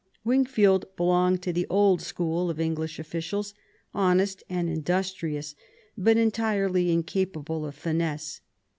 Wingfield belonged to the old school of English officials, honest and industrious, but entirely incapable oi finesse.